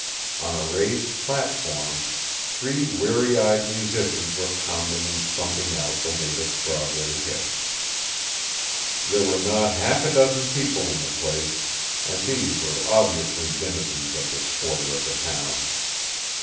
On a raised platform three weary eyed musicians were pounding and thumping out the latest Broadway hit. There were not half a dozen people in the place, and these were obviously denizens of this quarter of the town.